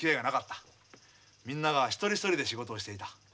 みんなが一人一人で仕事をしていた。